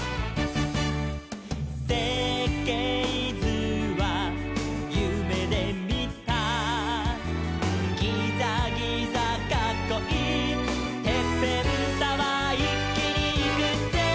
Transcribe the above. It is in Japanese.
「せっけいずはゆめでみた」「ギザギザかっこいいてっぺんタワー」「いっきにいくぜ」